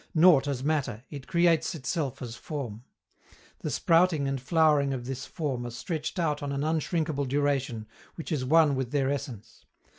Nought as matter, it creates itself as form. The sprouting and flowering of this form are stretched out on an unshrinkable duration, which is one with their essence.